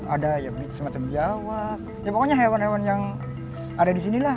ada ya semacam jawa ya pokoknya hewan hewan yang ada di sini lah